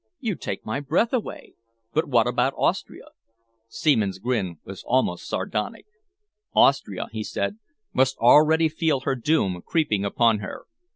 "You take my breath away. But what about Austria?" Seaman's grin was almost sardonic. "Austria," he said, "must already feel her doom creeping upon her.